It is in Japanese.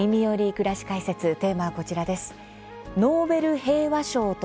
くらし解説」テーマは、こちらです。